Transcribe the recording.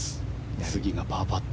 次がパーパット。